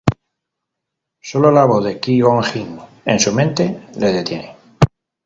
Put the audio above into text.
Sólo la voz de Qui-Gon Jin en su mente le detiene.